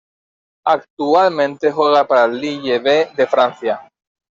Actualmente juega para el Lille "B" de Francia.